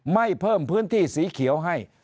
เพิ่มพื้นที่สีเขียวให้